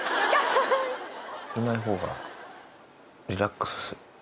いない方がリラックスする。